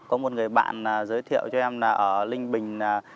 có một người bạn giới thiệu cho em là ở linh bình